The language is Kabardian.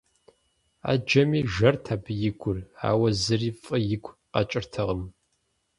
Ӏэджэми жэрт абы и гур, ауэ зыри фӏы игу къэкӏыртэкъым.